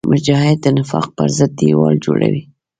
مجاهد د نفاق پر ضد دیوال جوړوي.